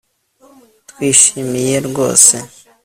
Twishimiye rwose